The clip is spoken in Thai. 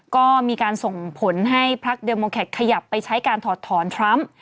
ก็มีการส่งผลให้พักเดลโมแคทขยับไปใช้การถอดถอนทรัมป์